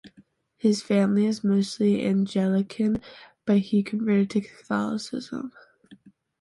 His family was mostly Anglican but he converted to Catholicism.